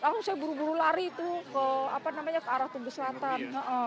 langsung saya buru buru lari tuh ke apa namanya ke arah tunggu selatan